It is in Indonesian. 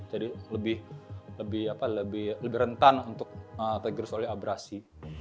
jadi lebih rentan untuk digerus oleh abrasi